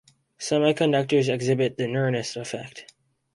Semiconductors exhibit the Nernst effect.